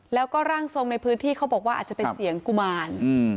แล้วก็ร่างทรงในพื้นที่เขาบอกว่าอาจจะเป็นเสียงกุมาร